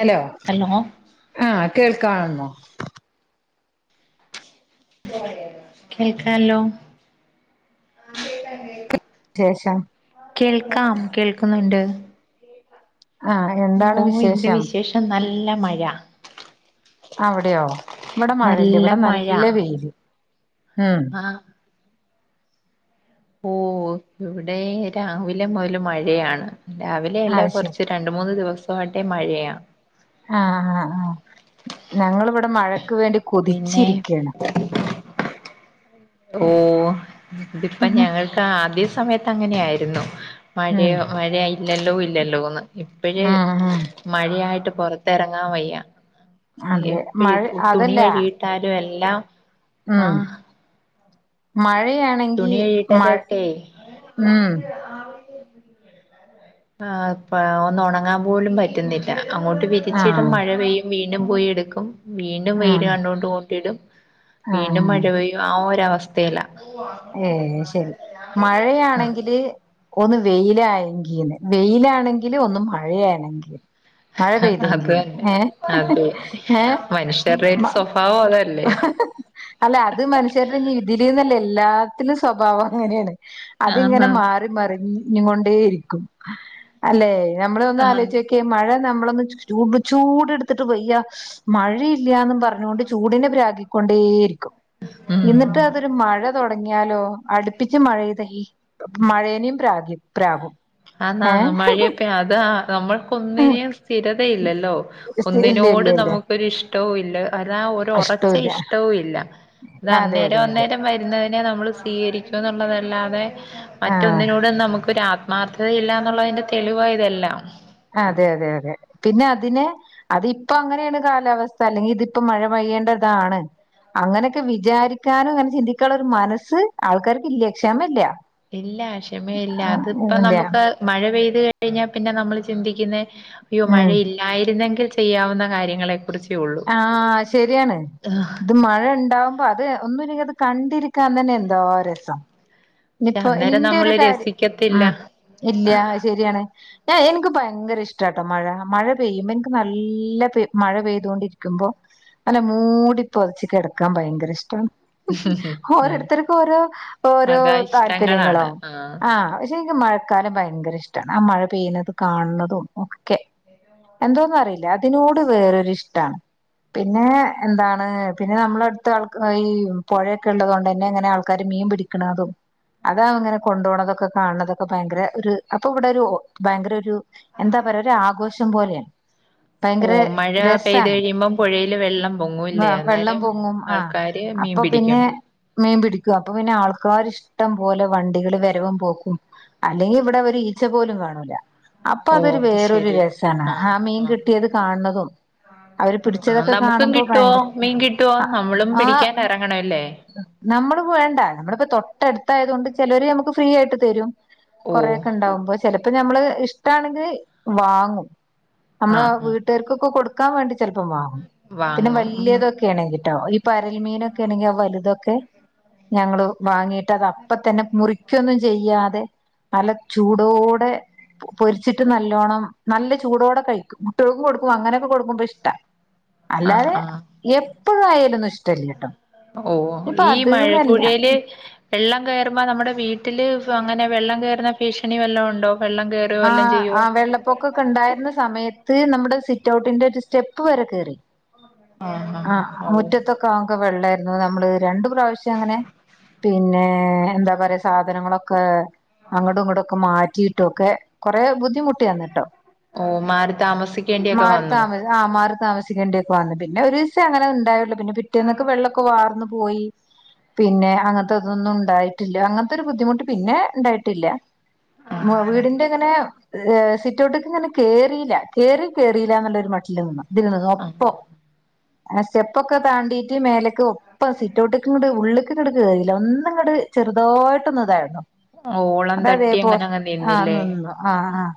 Hello ആഹ കേൾക്കാെമ്മോ? കേൾക്കാല്ലോ [unintelligible] കേൾക്കാം കേൾക്കുന്നുണ്ട് ആഹ് ഓ എന്ത് വിശേഷം നല്ല മഴ അവിടെയോ ഇവിടെ മഴയില്ല നല്ല ഇവിടെ മഴ നല്ല വെയില് ഉം ആഹ ഓ ഇവിടെ രാവിലെ മുതൽ മഴയാണ് രാവിലെയല്ല അത് ശരി കുറച്ച് രണ്ട് ണ്ട് മൂന്ന് ദിവസമായിട്ടെ മഴയാ ആഹ ആഹ് ആഹ് ഞങ്ങളിവിടെ മഴക്ക് വേണ്ടി പിന്നെ കൊതിച്ചിരിക്കയാണ് ഓ ഇതിപ്പൊ ഉം ഞങ്ങൾക്ക് ആദ്യ സമയത്ത് അങ്ങനെ ആയിരുന്നു ഉം മഴയോ മഴയ ഇല്ലല്ലോ ഇല്ലല്ലോന്ന് ഇപ്പഴേ ഉം മഴയായിട്ട് പുറ റങ്ങാൻ വയ്യ അതെ എപ്പഴ് മഴ തുണി അതല്ല കഴിട്ടാലും എല്ലാം ഉം ആഹ് മഴയാണെങ്കിൽ തുണി മഴ കഴിയിട്ടരൊക്കെ ഉം ആ പ്പൊ ഒന്ന് ഉണങ്ങാൻ പോലും പറ്റുന്നില്ല അങ്ങോട്ട് വിരിച്ചിടും ആഹ് മഴ പെയ്യും വീണ്ടും പോയി എടുക്കും വീണ്ടും വെയിൽ ആഹ് കണ്ടോണ്ട് ഓട്ടിടും വീണ്ടും ആഹ് മഴ പെയ്യും ആ ഒരവസ്ഥയല ഏ ശരി മഴയാണെങ്കില് ഒന്ന് വെയിലായെങ്കീന് വെയിലാണെങ്കിലും ഒന്ന് മഴയാണെങ്കി മഴ അത് പെയ്തെങ്കീ തന്നെ ഏ അതെ ഏ മനുഷ്യരുടെ ഒരു സ്വഭാവം അതല്ലേ അല്ല അത് മനുഷ്യരുടെതിൽന്നല്ല എല്ലാത്തിലും സ്വഭാവം അങ്ങനെയാണ് അതിങ്ങനെ ആന്ന് മാറി മറിഞ്ഞ കൊണ്ടേ ഇരിക്കും അല്ലേ? നമ്മള ഒന്ന് ആന്ന് ആലോചക്കെ മഴ നമ്മളൊന്ന് ചൂട് ചൂട്ടുത്തിട്ട് വെയ്യ മഴയില്ലന്നും പറഞ്ഞുകൊണ്ട് ചൂടിനെ പ്രാകിക്കൊണ്ടേയിരിക്കും ഇന്നിട്ട് ഉം അതൊരു മഴ തുടങ്ങിയാലോ അടുപ്പിച്ച് മഴ പെയ്തുഴിഞ്ഞാൽ മഴേനെയും പ്രാഗി പ്രാഗും. ആ ന മഴയപ്പ അത് നമ്മൾക്കൊന്നിനും സ്ഥിരതയില്ലല്ലോ ഇല്ല ഇല്ല ഒന്നിനോട് ഇല്ല നമുക്കൊ ഇഷ്ടവും ഇല്ല അരാ ഒരു ഒറച്ച ഇഷ്ടല്ല ഇഷ്ടവും ഇല്ല അത് അതെ അതെ അന്നേരം അതെ അന്നേരം നമ്മൾ സ്വീകരിക്കും എന്നുള്ളതല്ലാതെ ആഹ് മറ്റൊന്നിനോട് നമുക്ക് ഒരാഗ്ര മാർത്തതയില്ല എന്നുള്ളതിന്റെ തെളിവ ഇതെല്ലാം. അതെ അതെ അതെ പിന്നെ അതിനെ അതിപ്പോ അങ്ങനെയാണ് കാലാവസ്ഥ അല്ലെങ്കിൽ ഇതിപ്പോ മഴ പെയ്യേണ്ടതാണ് അങ്ങനെയൊക്കെ വിചാരിക്കാനും അങ്ങനെ ചിന്തിക്കാനുള്ള ഒരു മനസ്സ് ആൾക്കാർക്ക് ഇല്ലേ ക്ഷാമല്ല ഇല്ല ക്ഷമയില്ല അതിപ്പ നമുക്ക് മഴ പെയ്ത് കഴിഞ്ഞാൽ പിന്നെ നമ്മൾ ചിന്തിക്കുന്നത് അയ്യോ ഉം മഴയി ആയിരുന്നെങ്കിൽ ചെയ്യാവുന്ന കാര്യങ്ങളെ കുറച്ചള്ള ആഹ ശരിയാണ് ഇത് മഴ ഉണ്ടാ അപ്പൊ അത് ഒന്നും ഇല്ലെങ്കിൽ അത് കണ്ടിരിക്കാൻ തന്നെ എന്തോ രസം പക്ഷെ ഇനിപ്പോ അന്നേരം നിനിന്റെ ഒരു നമ്മള് കാര്യം രസിക്കത്തില്ല മം ഇല്ല ശരിയാണ് ഞ എനിക്ക് ഭയങ്കര ഇഷ്ടട്ടോ മഴ മഴ പെയ്യുമ്പോ എനിക്ക് നല്ലെയ മഴ പെയ്തുകൊണ്ടിരിക്കുമ്പോ നല്ല മൂടി പുതച് കിടക്കാൻ ഭയങ്കര ഇഷ്ടമാണ് ഉം ഓരോരുത്തർക്കും ഓരോ ഓരോ താല്പര്യങ്ങളോ സകായിഷ്ടങ്ങളാണ് ആഹ് ആ പക്ഷെ എനിക്ക് മഴക്കാലം ഭയങ്കര ഇഷ്ടമാണ് ആ മഴ പെയ്യുന്നത് കാണുന്നതും ഒക്കെ എന്തോന്നും അറിയില്ല അതിനോട് വേറൊരി ഇഷ്ടമാണ് പിന്നെ എന്താണ് പിന്നെ നമ്മള അടുത്ത ആൾ ഈ പുഴയൊക്കെ ഉള്ളത് കൊണ്ട് തന്നെ അങ്ങനെ ആൾക്കാർ മീൻ പിടിക്ക [unintelligible] അതാ അങ്ങനെ കൊണ്ടോ ണതൊക്കെ കാണണതൊക്കെ ഭയങ്കര ഒരു അപ്പൊ ഇവിടെ ഒരു ഭയങ്കര ഒരു എന്താ പറയാ ഒരു ആഘോഷം പോലെയാണ് ഓ ഭയങ്കര മഴ പെയ്തത് രസാണ് കഴിയുമ്പം പുഴയില് വെള്ളം പൊങ്ങൂല്ലേ വെള്ളം അന്നേരം പൊങ്ങും ആഹ് ആൾക്കാർ മീൻ അപ്പൊ പിടി പിന്നെ മീൻ പിടിക്കും അപ്പൊ പിന്നെ ആൾക്കാർഷ ഇട്ടം പോലെ വണ്ടികൾ വരവും പോക്കും അല്ലെങ്കിൽ ഇവിടെ ഒരു ഈച്ച പോലും കാണൂല അപ്പ ഓ അതൊര് അത് വേറൊര് ശരി രെസാണ് ആഹ് മീൻ കിട്ട്യേത് കാൺണതും അവര് ആഹ് പിട്ച്ചതൊക്കെ നമുക്കും കാണ്‌മ്പോ കിട്ടുവോ ഭയ്ങ്കര മീൻ കിട്ടുവോ നമ്മളും ആഹ് പിടിക്കാൻ എറങ്ങണല്ലേ നമ്മള് പോവേണ്ട നമ്മള്പ്പോ തൊട്ടട്ത്തായത് കൊണ്ട് ചെലെര് ഞമ്മക്ക് ഫ്രീയായ്ട്ട് തെരും ഓ കൊറേക്കെ ഇണ്ടാവ്മ്പോ ചെലെപ്പം ഞമ്മള് ഇഷ്ടാണെങ്കില് വാങ്ങും അമ്മളാ ആഹ് ആഹ് വ്ട്ടാര്ക്കൊക്കെ കൊട്ക്കാം മാണ്ടി ചെൽപ്പം വാങ്ങും പിന്നെ വാങ്ങും വല്ല്യതൊക്കേണെങ്ങിട്ടോ ഇ പരൽ മീനൊക്കേണെങ്കി ആ വല്തൊക്കെ ഞങ്ങ്ളു വാങ്ങി ട്ടതപ്പതന്നെ മുറിയ്ക്കൊന്നും ചെയ്യാതെ നല്ല ചൂടോടെ പൊ പൊരിച്ചിട്ട് നല്ലോണം നല്ല ചൂടോടെ കഴിക്കും ൾക്കും കൊട്ക്കും അങ്ങെനെയെക്കെ കൊട്ക്കുമ്പ ഇഷ്ടാ ആഹ് അല്ലാതെ എപ്പഴും ആയ ഇതാെന്നും ഷ് ഉവ്വോ ഈ ന്നല്ല മഴപ്പുഴേല് വെള്ളം കയറ്മ്പോ നമ്മടെ വീട്ടില് ഫ് അങ്ങെനെ വെള്ളം കയറ്ന്ന ഫീഷണി വല്ലാേണ്ടോ വെള്ളം കേ ആഹ് ആഹ് വെള്ളപ്പൊക്കൊക്കെണ്ടായ്ര്ന്ന സമയത്ത് നമ്മടെ സിറ്റൗട്ടിന്റെ ഒര് സ്റ്റെപ്പ് വരെ കേറി ആഹ് മുറ്റത്തൊക്കെ ആകെ വെള്ളായ്ര്ന്നു നമ്മള് രണ്ടു പ്രാവ്ശ്യം അങ്ങെനെ പിന്നേ എന്താ പറയാ സാധനങ്ങളൊക്കെ അങ്ങടും ഇങ്ങടൊക്കെ മാറ്റീട്ടൊക്കെ കൊറേ ബുദ്ധിമുട്ടി അന്ന്ട്ടോ ഓഹ് മാറി താമസിക്കേണ്ടിയാെക്കെ വന്നു ആഹ് മാറി താമസിക്കേണ്ടി ഒക്കെ വന്ന് പിന്നെ ഒരീസെ അങ്ങെനെ ഇണ്ടായാെള്ള് പിന്നെ പിറ്റേന്നെക്ക് വെള്ളൊക്കെ വാർന്ന് പോയി പിന്നെ അങ്ങൻത്തെ തൊന്നും ണ്ടായ്ട്ട്ല്ല അങ്ങൻത്താെരു ബുദ്ധിമുട്ട് പിന്നേ ഇണ്ടായ്ട്ടില്ല മൊ വീട്ന്റെങ്ങെനെ സിറ്റൗട്ട്ക്ക്ങ്ങെനെ കേറീല കേറി കേറീലാന്ന്ള്ളാെരു മട്ട്ല് നിന്ന് തിന്‌ന്ന് ആഹ് ഒപ്പം ആഹ് സ്റ്റെപ്പൊക്കെ താണ്ടീട്ട് മേലെക്ക് ഒപ്പം സിറ്റൗട്ട്ക്ക്ങ്ങെട് ഉള്ള്ക്ക്ങ്ങെട് കേറീല ഒന്ന്ങ്ങെട് ചെറ്തായിട്ടാെന്ന് തായെതാ ഓളം അത് അതേ തട്ടി പോ അങ്ങനങ്ങ് ആഹ് നിന്നില്ലേ ന്‌ന്നു ആഹ് ആഹ്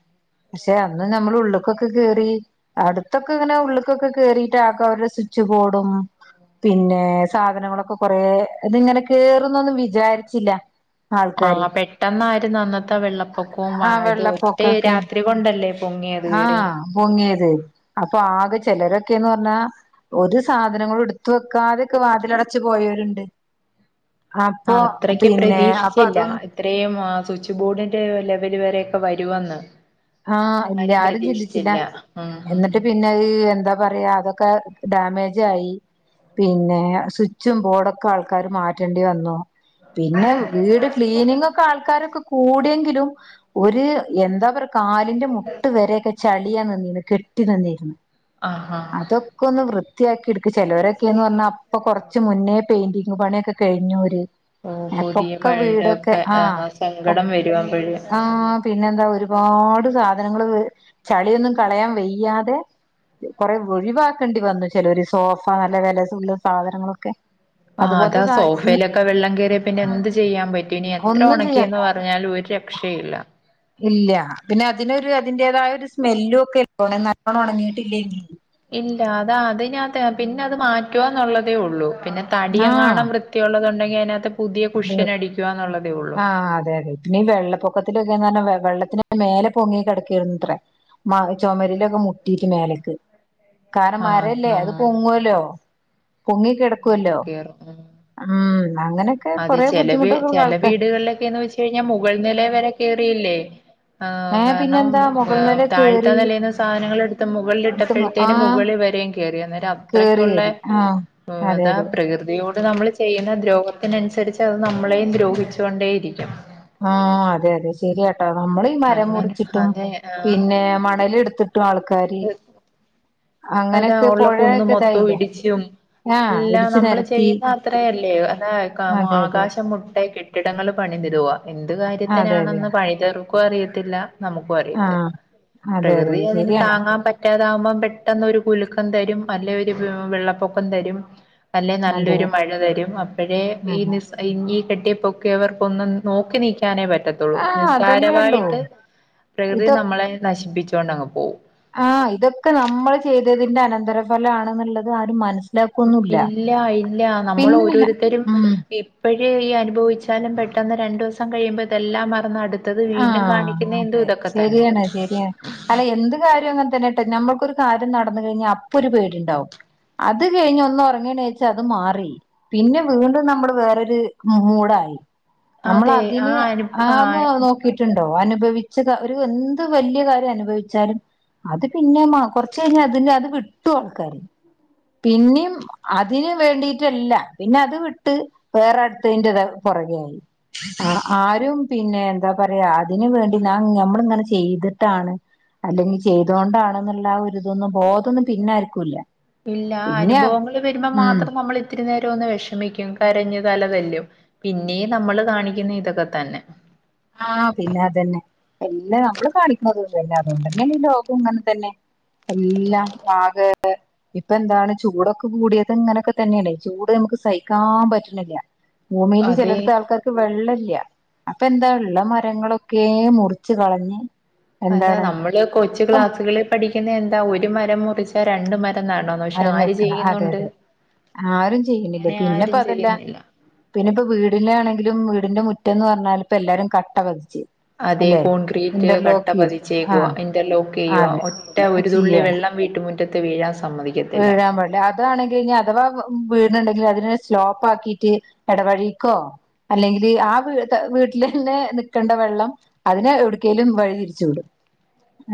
പക്ഷെ അന്ന് നമ്മള് ഉള്ള്ക്കൊക്കെ കേറി അട്ത്തൊക്കെങ്ങെനെ ഉള്ള്ക്കൊക്കെ കേറീട്ടാക്കവര്ടെ സു ച്ച് ബോഡും പിന്നേ സാധനങ്ങളൊക്കെ കൊറേ അത്ങ്ങെനെ കേറുംന്നൊന്നും വിചാര്ച്ചില്ല ആഹ് പെട്ടെന്നായ്ര്ന്നു അന്നത്തെ വെള്ളപ്പൊക്കോം ആഹ് അതായെത് ഒറ്റേ വെള്ളപ്പൊക്കൊക്കെ രാത്രി കൊണ്ടല്ലേ പൊങ്ങിയത് കേറി ആഹ് പൊങ്ങിയെത് അപ്പൊ ആകെ ചെലാെരൊക്കേന്ന് പർഞ്ഞാ ഒര് സാധനങ്ങളും ട്ത്ത് വെക്കാതൊക്കെ വാതിലടച്ച് പോയൊര്ണ്ട് ആപ്പൊ പിന്നെ അപ്പം അതും ത്രേയും ആഹ് സുച്ച് ബോഡിന്റെ ലെവെല് വരെയെക്കെ വരുവെന്ന് ആഹ് ആരും എല്ലാരും ചിന്തിച്ച്ലാ പ്രതീക്ഷിച്ചില്ല ഉം ഉം എന്നിട്ട് പിന്നെ അത് എന്താ പറയാ ഇതൊക്കെ ഡാമേജായി പിന്നേ സുച്ചും ബോഡൊക്കെ ആൾക്കാര് മാറ്റെണ്ടി വന്നു പിന്നെ വീട് ക്ലീനിംങ്ങൊക്കെ ആൾക്കാരൊക്കെ കു കൂട്യെങ്കിലും ഒര് എന്താ പർ കാല്ന്റെ മുട്ട് വെരെയെക്കെ ചളിയാ നിന്നീനെ കെട്ടി നിന്നീര്ന്ന് ആഹ് ഹാ ഇതൊക്കാെന്ന് വൃത്ത്യാക്കിട്ക്ക് ചെലോരൊക്കേന്ന് പർഞ്ഞാ ഇപ്പൊ കൊർച്ച് മുന്നേ പെയിന്റിംഗ് പണ്യാെക്കെ കഴിഞ്ഞോര് ഓ പുതിയ എപ്പൊക്കെ വീടൊക്കെ പഴയതൊക്കെ ആഹ് ഒഹ് സങ്കടം വരും അപ്പഴ് ആഹ് പിന്നെന്താ ഒരു പാട് സാധനങ്ങള് ചള്യൊന്നും കളയാം വെയ്യാതെ കൊറേ ഒഴിവാക്കെണ്ടി വന്നു ചെലാെര് സോഫാ നല്ല വെലതുള്ള സാധനങ്ങളൊക്കെ ആഹ് അതാ അതുപോലത്തെ സാ ഈ സോഫേല ഒക്കെ വെള്ളം കേറിയാ പിന്നെ എന്ത് ചെയ്യാൻ പറ്റും ഇനി എത്ര ഒന്നും ചെയ്യാൻ ഉണക്കിയെന്ന് പറഞ്ഞാലും ഒരു രക്ഷയും ഇല്ലാ ഇല്ലാ പിന്നെ അതിനൊരു അതിന്റേതായ ഒരു സ്മെല്ലും ഒക്കെ ഒണങ്ങാ നല്ലോണ്ണം ഒണങ്ങീട്ടില്ലെങ്കി ഇല്ലാ അതാ അതിനകത്തേ പിന്നെ അത് മാറ്റൊന്നുള്ളതേ ഉള്ളൂ പിന്നെ തടിയങ്ങാണം ആഹ് വൃ ത്തിയുള്ളതുണ്ടെങ്കി അയ്നകത്ത് പുതിയ കുഷ്യനടിക്കുക ന്നുള്ളതേ ഒള്ളൂ ആ അതേ അതെ പിന്നെ ഈ വെള്ളപ്പൊക്കത്തിലൊക്കെ ന്ന് പറഞ്ഞാ വെള്ളത്തിന് മേല പൊങ്ങി കിടക്കേര്ന്ന് അത്രേ മാ ചുമരിലൊക്കെ മുട്ടീട്ട് മേലക്ക് കാരണം ആഹ് മരല്ലേ ന്നാ അത് പൊങ്ങൊല്ലോ പൊങ്ങിക്കെട മേലെ ക്കൊല്ലോ കേറും ഉം അങ്ങനൊക്കെ ചെലവേ ചെല വീടുകളിലൊക്കെന്ന് വെച്ച് കഴിഞ്ഞാ മുകൾ നിലയിൽ വരെ കേറിയില്ലേ ആ ഏഹ് കാരണം പിന്നെന്താ മുകൾ നില താഴ്ത്തെ കേറി നിലേന്ന് സാധനങ്ങൾ എടുത്ത് എടുത്തന്ന് മുകളിലിട്ടപ്പോഴത്തേനും ആഹ് മുകളിൽ വെരെങ്കി കേറി അന്നേരം കേറി അത്രക്കുള്ള കേറി ആഹ് അതെ അതെ [unintelligible] പ്രകൃതിയോട് നമ്മള് ചെയ്യുന്ന ദ്രോഹത്തിനനുസരിച്ച് അത് നമ്മളെയും ദ്രോഹിച്ചൊണ്ടേ ഇരിക്കും ആ അതെ അതെ ശെരിയാണ് ട്ട നമ്മളീ മരം അങ്ങനെ മുറിച്ചിട്ടും അതെ ആഹ് പിന്നെ മണലെടുത്തിട്ടും ആൾക്കാര് അതാ അങ്ങനെയൊക്കെ ഉള്ള കുന്ന് പുഴയൊക്കെ മൊത്തം ഇതായില്ലേ ഇടിച്ചും ആഹ് എല്ലാ ഇടിച്ചു നമ്മള് നിരത്തി ചെയ്യുന്ന അത്രയല്ലേ അതേയ് ക മേ അതെ അതെ ആകാശം മുട്ടേകെട്ട് കെട്ടിടങ്ങള് പണിതിടുവാ എന്ത് അതെ അതെ കാര്യത്തിനാണെന്ന് പണിത വർക്കും അറിയത്തില്ല നമുക്കും അറിയത്തില്ല ആഹ് അതെ അതെ പ്രകൃതി അതെ അതിന് ശരിയാണ് താങ്ങാൻ പറ്റ പറ്റാതാകുമ്പോം പെട്ടെന്ന് ഒരു കുലുക്കം തരും അല്ലെ ഒരു വെ വെള്ളപ്പൊക്കം തരും അല്ലെ അതെ നല്ലൊരു മഴ തരും അപ്പോഴേ ഈ അതെ നിസ് ഇഞ്ഞീ കെട്ടിയപ്പൊക്കിയവർക്ക് ഒന്നും നോക്കി നിക്കാനേ പറ്റത്തോ ത്തൊള്ളൂ ആഹ് അതന്നെള്ളൂ നിസ്സാരമായിട്ട് പ്രകൃതി ഇതൊ നമ്മളെ നശിപ്പിച്ചൊണ്ടങ്ങ് പോവും ആ ഇതൊക്കെ നമ്മള് ചെയ്തതിന്റെ അനന്തര ഫലാണെന്നുള്ളത് ആരും മനസ് ഇല്ലാ ഇല്ലാ പിന്നെ നമ്മളോരോരുത്തരും ഉം ഇപ്പോഴേ ഈ അനുഭവിച്ചാലും പെട്ടെന്ന് രണ്ടൂസം കഴിയുമ്പോൾ ഇതെല്ലാം മറന്ന് അടു ത്തത് വീണ്ടും കാണിക്കുന്നേ എന്താ ഇതൊക്കെ തന്നെ ശെരിയാണ് അല്ല എന്ത് കാര്യം അങ്ങൻ തന്നെ ട്ടൊ നമ്മൾക്കൊരു കാര്യം നടന്ന് കയ്ഞ്ഞാ അപ്പൊ ഒരു പേടിണ്ടാവും അത് കഴിഞ്ഞ് ഒന്ന് ഉറങ്ങിണീച്ചാ അത് മാറി പിന്നെ വീണ്ടും നമ്മള് വേറൊരു മൂടായി നമ്മള് അതെ ആ അതിന് അനു ആ ആന്ന് നോ ട്ടുണ്ടോ അനുഭവിച്ച ഒരു എന്ത് വലിയ കാര്യം അനുഭവിച്ചാലും അത് പിന്നെ കൊറച്ച കഴിഞ്ഞാഞ് അതിന്റെ അത് വിട്ടും ആൾക്കാര് പിന്നിം അതിന് വേണ്ടിട്ടല്ല പിന്നെ അത് വിട്ട് വേറെ അടുത്തതിന്റെ പുറകെ ആയി ആ ആരും പിന്നെ എന്താ പറയാ അതിന് വേണ്ടി ഞാ ഞമ്മളിങ്ങനെ ചെയ്തിട്ടാണ് അല്ലെങ്കിൽ ചെയ്തുക കൊണ്ടാണെന്നുള്ള ആ ഒരുതൊന്നും ബോധം ഒന്നും പിന്നെ ആർക്കൂല്ല ഇല്ല അനുഭവങ്ങൾ വരുമ്പോ മാത്രം നമ്മൾ ഒത്തിരി നേരം ഒന്ന് വിഷമിക്കും കരഞ്ഞു തല തെല്ലും പിന്നെയും നമ്മള് കാണിക്കുന്ന ഇതൊക്കെ തന്നെ ആഹ പിന്നെ അതന്നെ എല്ലാ നമ്മള് കാണിക്കുന്നതന്നല്ല അതുകൊണ്ടന്നെയല്ല ലോകം ഇങ്ങനെ തന്നെ എല്ലാം ആകെ [unintelligible] ഇപ്പൊ എന്താണ് ചൂടൊക്കെ കൂടിയത് ഇങ്ങനെയൊക്കെ തന്നെയാണ് ചൂട് നമുക്ക് സഹിക്കാൻ പറ്റുന്നില്ല ഭൂമിയിൽ അതെ ചിലട്ത്ത് ആൾക്കാർക്ക് വെള്ളല്ല അപ്പൊ എന്താ ഉള്ള ഇള്ള മരങ്ങളൊക്കെ മുറിച്ച് കളഞ്ഞ് അതാ എന്താണ് നമ്മള് കൊച്ച് ഇപ്പം ക്ലാസ്സുകളിൽ പഠിക്കുന്ന എന്താ ഒരു മരം മുറിച്ചാ രണ്ട് മരം നടം മരം വെക്കണം അതെ അതെ ആരും ചെയ്യണില്ല അങ്ങനെ പിന്നെപ്പ ആരും അതല്ല ചെയ്യുന്നില്ല പിന്നെ ഇപ്പ വീടിനാണെങ്കിലും വീടിന്റെ മുറ്റന്ന് പർഞ്ഞാല് ഇപ്പ എല്ലാരും കട്ട പതിച്ച് അതേ അല്ലെ കോൺക്രീറ്റ് കട്ട ഇന്റർലോക്ക് ചെയ്തു ആ പതിച്ചേക്കുക ഇന്റർലോക്ക് ചെയ്യുക അതെ ഒറ്റ ഒരുതുള്ളി ചെയ്യാണ് വെള്ളം വീട്ടുമുറ്റത്ത് വീഴാൻ സമ്മതി വീഴാൻ പടില്ല അത് അതാണെങ്കി കഴിഞ്ഞാ അഥവാ വ് വീണ് ണ്ടെങ്കിൽ അതിനെ സ്ലോപ്പ് ആക്കിട്ട് ഇടവഴീക്കോ അല്ലെങ്കില് ആ വീ ത വീട്ട്ലന്നെ നിക്കണ്ടേ വെള്ളം അതിനെ എവിട്ക്കേലും വഴിതിരിച്ചു വിടും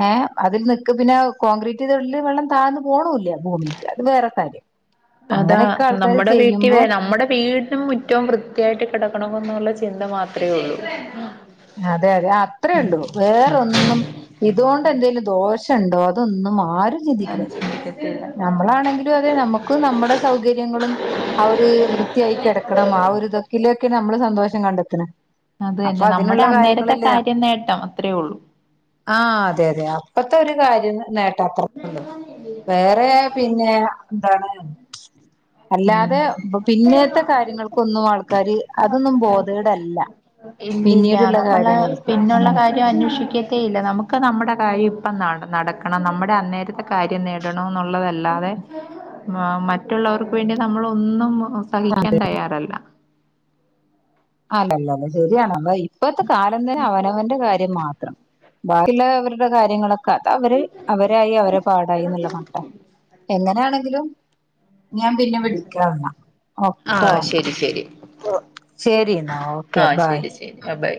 ഏ അതിൽ നിക്ക് പിന്നെ കോൺക്രീറ്റയ്തല്ല് വെള്ളം താഴ്ന്ന് പോണു ല്ല്യാലോ ഭൂമിക്ക് അത് വേറെ കാര്യം അതാ അങ്ങനെയൊക്കെ ആൾക്കാർ നമ്മുടെ വീട്ടി വേ ചെയ്യുമ്പോ നമ്മുടെ വീടിനും മുറ്റ ഏറ്റവും വൃത്തിയായിട്ട് കിടക്കണെന്നുള്ള ചിന്ത മാത്രേ ഒള്ളൂ അതെ അതെ ആ അത്ത്രേ ഉള്ളൂ വേറൊന്നും ഇതുകൊണ്ട് എന്തെലും ദോഷണ്ടോ അതൊന്നും ആരും ആരും ഉം ചിന്തിക്ക്‌ണ്ല്യ നമ്മളാണെങ്കിലും അതെ നമ്മക്കും നമ്മടെ സൗകര്യങ്ങളും ആ ഒരു വൃത്തിയായി കെടക്കണം ആ ഒരുതൊക്കിലൊക്കെ നമ്മള് സന്തോഷം കണ്ടെത്ത്ണ് അത് തന്നെ നമ്മുടെ അന്നേരത്തെ കാര്യം നേട്ടം അത്രയേ ഉള്ളൂ ആ അതെ അതെ അപ്പത്തെ ഒരു കാര്യം നെ നേട്ടാ അപ്പർത്ത്ള്ളത് വേറെ പിന്നെ എന്താണ് അല്ലാതെ ഉം പിന്നത്തെ കാര്യങ്ങൾക്കൊന്നും ആൾക്കാര് അതൊന്നും ബോധേടല്ല ഇല്ലില്ല പിന്നീടുള്ള നമ്മളേ കാര്യങ്ങൾക്ക് പിന്നുള്ള ഉം കാര്യ അന്വേഷിക്കത്തേ ഇല്ല നമുക്ക് നമ്മുടെ കാര്യം ഇപ്പ നടക്കണം നമ്മുടെ അന്നേരത്തെ കാര്യം നേടണോ ന്നുള്ളതല്ലാതെ മ മറ്റുള്ളവർക്ക് വേണ്ടി നമ്മളൊന്നും സഹിക്കാൻ തയ്യാറല്ല അല്ലല്ല അല്ല ശരിയാണ് ഇപ്പത്തെ കാലം തന്നെ അവനവന്റെ കാര്യം മാത്രം ബാക്കിള്ളാ അവരുടെ കാര്യങ്ങളൊക്കെ അത അവര് അവരായി അവരെ പാടായി എന്നുള്ള മട്ട എങ്ങനെയാണെങ്കിലും ഞാൻ പിന്നെ വിളിക്ക എന്നാ ഓട്ടോ ഉം ശരി ടീ ഓ ശരി എന്നാ ഓക്കെ ഭായ് ശരിയാ ബൈ